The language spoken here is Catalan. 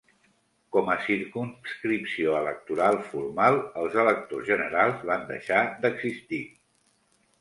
Com a circumscripció electoral formal, els electors generals van deixar d'existir.